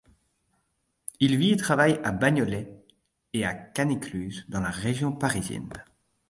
Il vit et travaille à Bagnolet et à Cannes-Écluse dans la région parisienne.